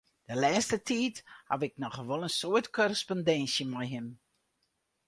De lêste tiid haw ik noch wol in soad korrespondinsje mei him.